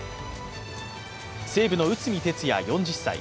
西武の内海哲也４０歳。